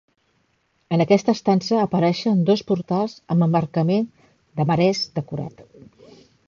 En aquesta estança apareixen dos portals amb emmarcament de marès decorat.